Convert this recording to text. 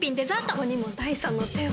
ここにも第三の手を。